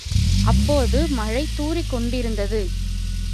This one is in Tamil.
அப்போது, மழை துாறிக் கொண்டிருந்தது.